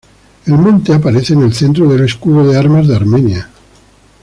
El monte aparece en el centro del Escudo de armas de Armenia.